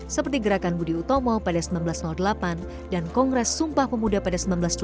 seperti gerakan budi utomo pada seribu sembilan ratus delapan dan kongres sumpah pemuda pada seribu sembilan ratus delapan puluh